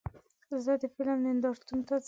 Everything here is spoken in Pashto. زه د فلم نندارتون ته ځم.